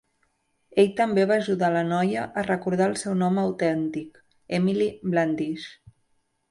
Ell també va ajudar la noia a recordar el seu nom autèntic: Emily Blandish.